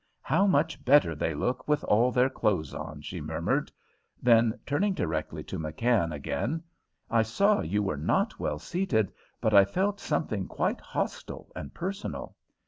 "How much better they look with all their clothes on," she murmured. Then, turning directly to McKann again: "I saw you were not well seated, but I felt something quite hostile and personal.